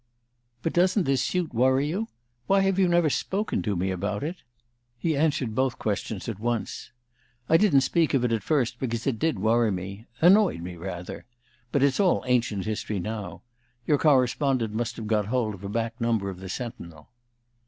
"But doesn't this suit worry you? Why have you never spoken to me about it?" He answered both questions at once: "I didn't speak of it at first because it did worry me annoyed me, rather. But it's all ancient history now. Your correspondent must have got hold of a back number of the 'Sentinel.